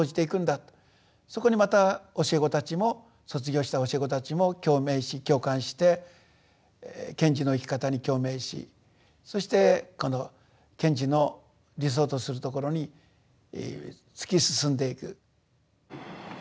そこにまた教え子たちも卒業した教え子たちも共鳴し共感して賢治の生き方に共鳴しそしてこの賢治の理想とするところに突き進んでいく。